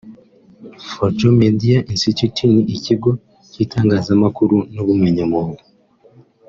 Fojo Media Institute ni ikigo cy’itangazamakuru n’ubumenyamuntu